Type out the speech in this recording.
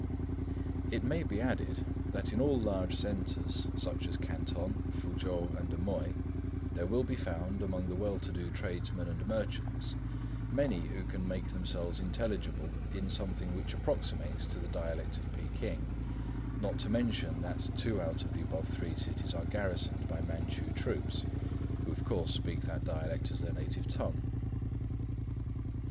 It may be added that in all large centres, such as Canton, Foochow, and Amoy, there will be found, among the well to do tradesmen and merchants, many who can make themselves intelligible in something which approximates to the dialect of Peking, not to mention that two out of the above three cities are garrisoned by Manchu troops, who of course speak that dialect as their native tongue.